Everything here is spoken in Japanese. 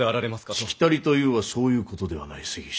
しきたりというはそういうことではない杉下。